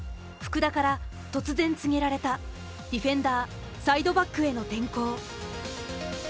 福田から突然告げられたディフェンダーサイドバックへの転向。